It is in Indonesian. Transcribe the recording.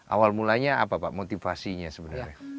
awal mulanya apa pak motivasinya sebenarnya